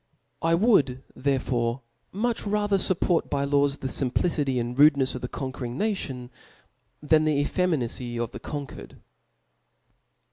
I would therefore much rather fupport by laws the fimplicity and rudenefs of the conquering nation, than the efie« minacy of the conquered.